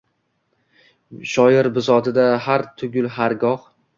Shoir bisotida har tugul har goh